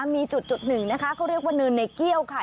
มีจุดหนึ่งนะคะเขาเรียกว่าเนินในเกี้ยวค่ะ